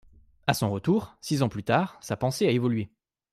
A son retour, six ans plus tard, sa pensée a évolué.